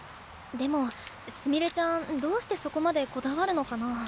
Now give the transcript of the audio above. でもすみれちゃんどうしてそこまでこだわるのかな。